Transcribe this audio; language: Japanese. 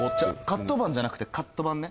「カットバン」じゃなくて「カットバン」ね。